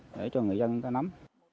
để cho người dân nắm